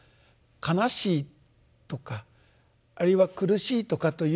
悲しいとかあるいは苦しいとかということ。